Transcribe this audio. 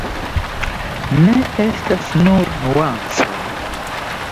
Ne estas nur nuancoj.